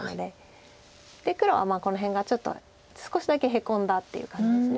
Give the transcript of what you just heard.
で黒はこの辺がちょっと少しだけヘコんだっていう感じです。